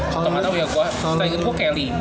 contohnya tau ya gue itu kelly